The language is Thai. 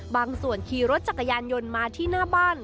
ขี่รถจักรยานยนต์มาที่หน้าบ้าน